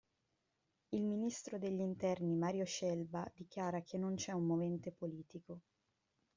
Il ministro degli interni Mario Scelba dichiara che non c'è un movente politico.